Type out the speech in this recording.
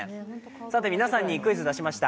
さて皆さんにクイズ出しました。